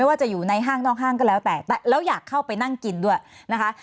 ว่าจะอยู่ในห้างนอกห้างก็แล้วแต่แล้วอยากเข้าไปนั่งกินด้วยนะคะ